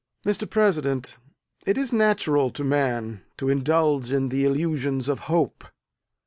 Mr. President, it is natural to man to indulge in the illusions of hope.